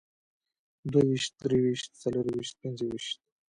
دوهويشت، دريويشت، څلرويشت، پينځهويشت